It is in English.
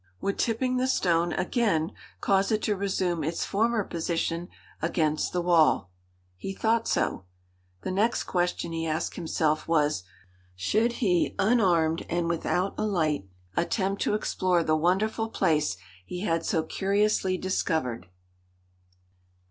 Would tipping the stone again cause it to resume its former position against the wall? He thought so. The next question he asked himself was, Should he unarmed and without a light, attempt to explore the wonderful place he had so curiously discovered?